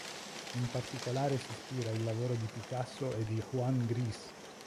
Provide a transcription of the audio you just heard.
In particolare si ispira il lavoro di Picasso e di Juan Gris.